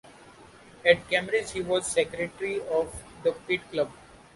At Cambridge, he was secretary of the Pitt Club.